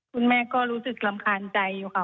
คุณแม่ก็รู้สึกรำคาญใจอยู่ค่ะ